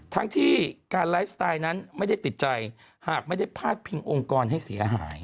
ทั้งที่การไลฟ์สไตล์นั้นไม่ได้ติดใจหากไม่ได้พาดพิงองค์กรให้เสียหาย